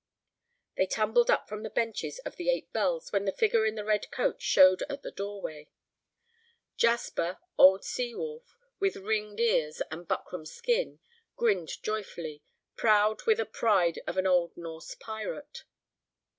They tumbled up from the benches of "The Eight Bells" when the figure in the red coat showed at the doorway. Jasper, old sea wolf, with ringed ears and a buckram skin, grinned joyfully, proud with the pride of an old Norse pirate.